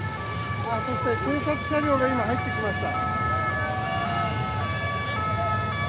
そして警察車両が今、入ってきました。